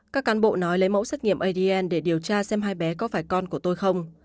các cán bộ nói lấy mẫu xét nghiệm adn để điều tra xem hai bé có phải con của tôi không